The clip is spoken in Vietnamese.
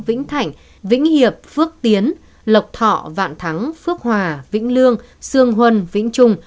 vĩnh thảnh vĩnh hiệp phước tiến lộc thọ vạn thắng phước hòa vĩnh lương sương huân vĩnh trung